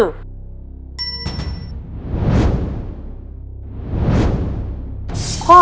ข้อความใดมีโครงสร้างประโยคเช่นเดียวกับ